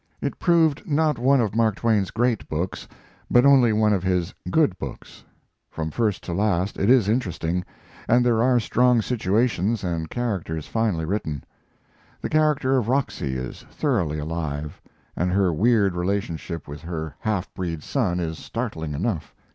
It proved not one of Mark Twain's great books, but only one of his good books. From first to last it is interesting, and there are strong situations and chapters finely written. The character of Roxy is thoroughly alive, and her weird relationship with her half breed son is startling enough.